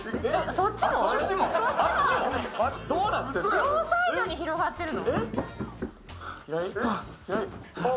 両サイドに広がってるの？